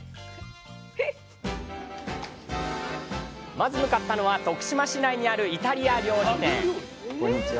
まず向かったのは徳島市内にあるイタリア料理店こんにちは。